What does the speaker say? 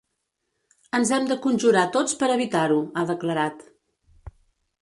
Ens hem de conjurar tots per evitar-ho, ha declarat.